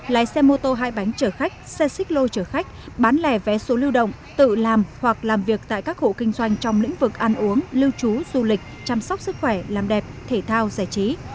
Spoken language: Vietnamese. lái xe mô tô hai bánh chở khách xe xích lô chở khách bán lẻ vé số lưu động tự làm hoặc làm việc tại các hộ kinh doanh trong lĩnh vực ăn uống lưu trú du lịch chăm sóc sức khỏe làm đẹp thể thao giải trí